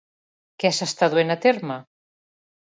Què s'està duent a terme?